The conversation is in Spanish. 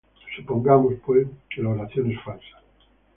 Supongamos, pues, que la oración es falsa.